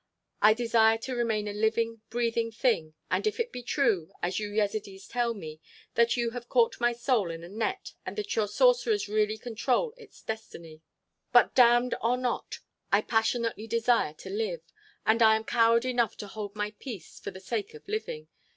I desire to remain a living, breathing thing—even if it be true—as you Yezidees tell me, that you have caught my soul in a net and that your sorcerers really control its destiny. "But damned or not, I passionately desire to live. And I am coward enough to hold my peace for the sake of living.